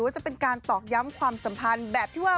จะเป็นการตอกย้ำความสัมพันธ์แบบที่ว่า